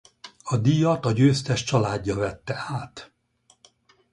A díjat a győztes családja vette át.